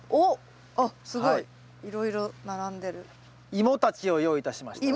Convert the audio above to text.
イモたちを用意いたしましたよ。